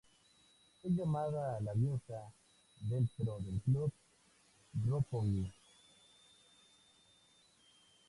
Es llamada la ""Diosa"" dentro del "Club Roppongi".